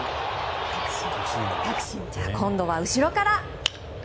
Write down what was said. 今度は後ろから。